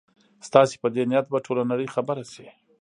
ستاسي په دې نیت به ټوله نړۍ خبره شي.